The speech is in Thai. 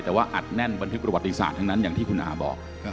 แต่ว่าอัดแน่นบันทึกประวัติศาสตร์ทั้งนั้นอย่างที่คุณอาบอก